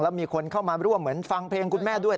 แล้วมีคนเข้ามาร่วมเหมือนฟังเพลงคุณแม่ด้วย